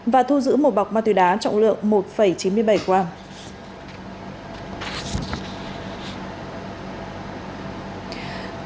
và thu giữ một bọc ma túy đá trọng lượng một chín mươi bảy quang